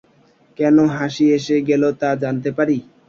কেন হাসি এসে গেল তা জানতে পারি?